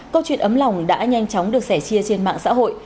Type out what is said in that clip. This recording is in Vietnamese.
câu chuyện ấm lòng đã nhanh chóng được sẻ chia trên mạng xã hội